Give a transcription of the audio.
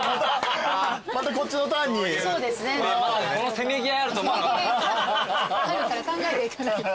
せめぎ合いあると思わなかった。